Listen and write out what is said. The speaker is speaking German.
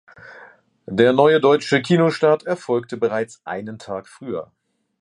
Der neue deutsche Kinostart erfolgte bereits einen Tag früher.